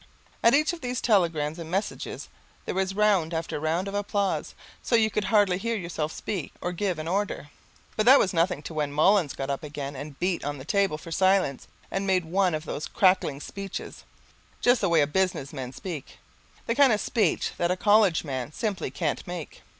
At each of these telegrams and messages there was round after round of applause, so that you could hardly hear yourself speak or give an order. But that was nothing to when Mullins got up again, and beat on the table for silence and made one of those crackling speeches just the way business men speak the kind of speech that a college man simply can't make.